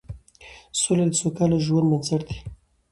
سوله د سوکاله ژوند بنسټ دی